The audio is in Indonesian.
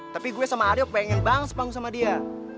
tapi gue sama adek pengen banget sepanggung sama dia